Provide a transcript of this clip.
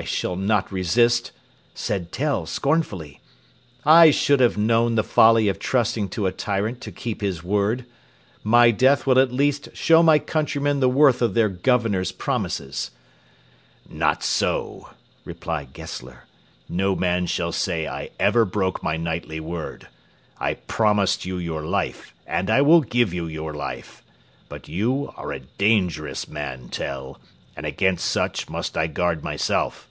"I shall not resist," said Tell scornfully. "I should have known the folly of trusting to a tyrant to keep his word. My death will at least show my countrymen the worth of their Governor's promises." "Not so," replied Gessler; "no man shall say I ever broke my knightly word. I promised you your life, and I will give you your life. But you are a dangerous man, Tell, and against such must I guard myself.